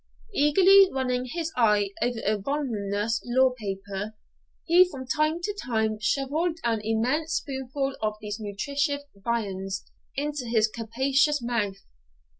Eagerly running his eye over a voluminous law paper, he from time to time shovelled an immense spoonful of these nutritive viands into his capacious mouth.